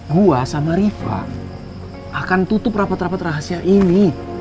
gua sama riva akan tutup rapat rapat rahasia ini